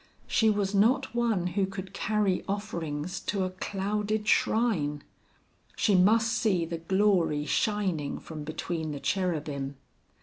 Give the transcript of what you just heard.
She was not one who could carry offerings to a clouded shrine. She must see the glory shining from between the cherubim.